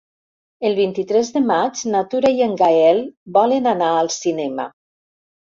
El vint-i-tres de maig na Tura i en Gaël volen anar al cinema.